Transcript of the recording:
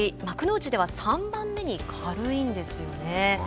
幕内では３番目に軽いんですよね。